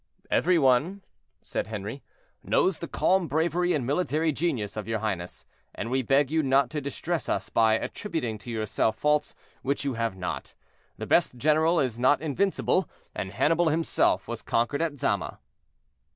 "Every one," said Henri, "knows the calm bravery and military genius of your highness, and we beg you not to distress us by attributing to yourself faults which you have not. The best general is not invincible, and Hannibal himself was conquered at Zama."